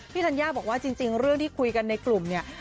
ธัญญาบอกว่าจริงเรื่องที่คุยกันในกลุ่มเนี่ย